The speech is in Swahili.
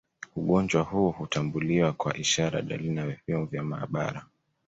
Ugonjwa huu hutambuliwa kwa ishara dalili na vipimo vya maabara